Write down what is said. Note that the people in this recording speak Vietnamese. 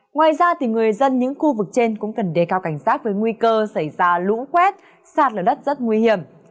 ngoài ra người dân những khu vực trên cũng cần đề cao cảnh sát với nguy cơ xảy ra lũ quét sạt lở đất rất nguy hiểm